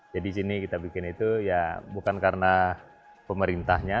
sini kita bikin itu ya bukan karena pemerintahnya